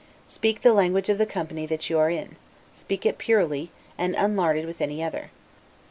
Speak the language of the company that you are in; speak it purely, and unlarded with any other.